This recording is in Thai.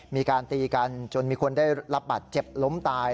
มีการตีกันจนมีคนได้รับบาดเจ็บล้มตาย